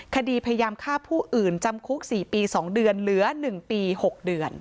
คดีพยายามฆ่าผู้อื่นจำคุก๔ปี๒เดือนเหลือ๑ปี๖เดือน